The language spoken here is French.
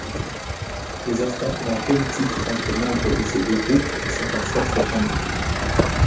Les affrontements politiques entre membres de ces deux groupes sont parfois très tendus.